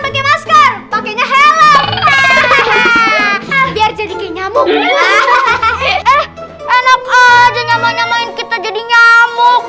pakai masker pakainya helm hahaha biar jadi kayak nyamuk enak aja nyamuk nyamuk kita jadi nyamuk